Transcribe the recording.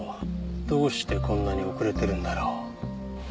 どうしてこんなに遅れてるんだろう？